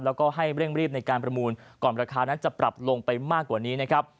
แล้วก็ให้เร่งรีบในการประมูลก่อนราคานั้นจะปรับลงไปมากกว่านี้นะครับ